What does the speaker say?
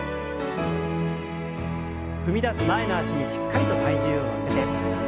踏み出す前の脚にしっかりと体重を乗せて。